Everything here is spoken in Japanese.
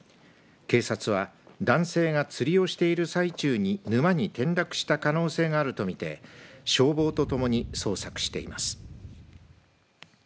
警察は、男性が釣りをしている最中に沼に転落した可能性があるとみて消防と共に捜索しています。